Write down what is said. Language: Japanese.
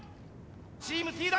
チームＴ大。